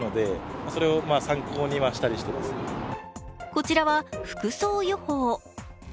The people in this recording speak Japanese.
こちらは、服装予報。